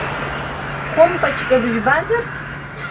Хәымпачка дыжәбазар?